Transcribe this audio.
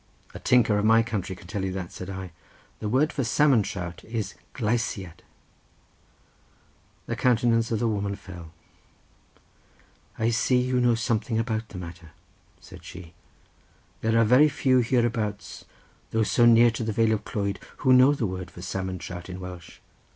"A tinker of my country can tell you that," said I. "The word for salmon trout is gleisiad." The countenance of the woman fell. "I see you know something about the matter," said she; "there are very few hereabouts, though so near to the vale of Clwyd, who know the word for salmon trout in Welsh.